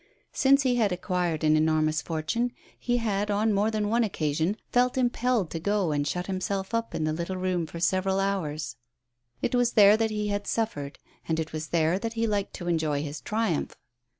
Since he had acquired an enormous fortune he had on more than one occasion felt impelled to go and shut WON AT LAST. 107 himself up in the little room for several hours. It was there that he had suffered, and it was there that he liked to enjoy his triumph.